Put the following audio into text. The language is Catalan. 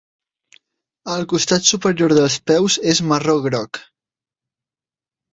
El costat superior dels peus és marró-groc.